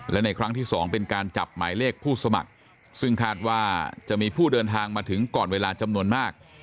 และในครั้งที่๒เป็นการจับหมายเลขผู้สมัครซึ่งคาดว่าจะมีผู้เดินทางมาถึงก่อนเวลาจำนวนมาก